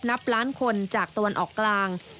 นับล้านคนจากตะวันออกกลาง